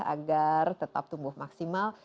agar tetap tumbuh maksimal